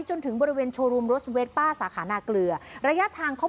จนถึงบริเวณโชว์รูมรถเวสป้าสาขานาเกลือระยะทางเขา